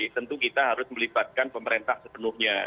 tentu kita harus melibatkan pemerintah sepenuhnya